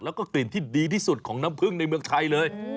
แล้วก็กลิ่นที่ดีที่สุดของน้ำผึ้งในเมืองไทยเลย